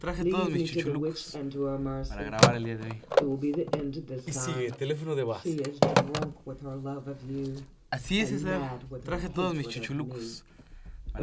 Leave me to the Witch and to her mercy. It will be the end this time. She is drunk with her love of you and mad with her hatred of me."